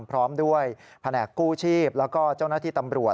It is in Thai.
พร้อมด้วยแผนกกู้ชีพแล้วก็เจ้าหน้าที่ตำรวจ